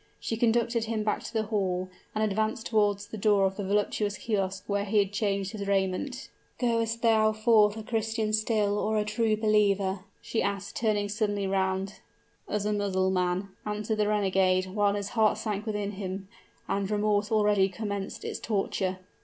She conducted him back to the hall, and advanced toward the door of the voluptuous kiosk, where he had changed his raiment. "Goest thou forth a Christian still, or a true believer?" she asked turning suddenly round. "As a Mussulman," answered the renegade, while his heart sank within him, and remorse already commenced its torture.